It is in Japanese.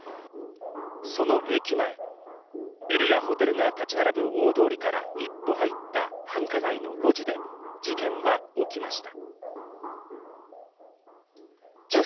その駅前、ビルやホテルが立ち並ぶ大通りから一歩入った繁華街の路地で事件は起きました。